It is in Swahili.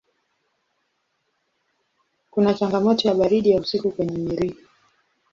Kuna changamoto ya baridi ya usiku kwenye Mirihi.